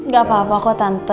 gak apa apa kok tante